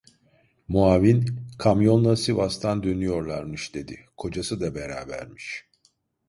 Muavin: "Kamyonla Sivas'tan dönüyorlarmış" dedi, "Kocası da berabermiş."